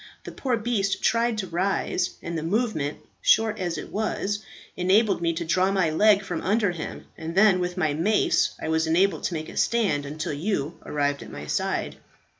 The poor beast tried to rise, and the movement, short as it was, enabled me to draw my leg from under him, and then with my mace I was enabled to make a stand until you arrived at my side.